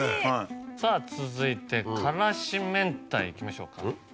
さぁ続いてからしめんたいいきましょうか。